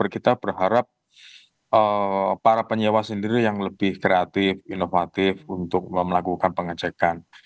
kita berharap para penyewa sendiri yang lebih kreatif inovatif untuk melakukan pengecekan